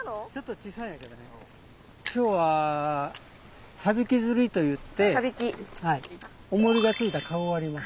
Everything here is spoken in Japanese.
今日は「サビキ釣り」といっておもりがついたカゴがあります。